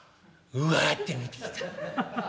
「うわって見てきた」。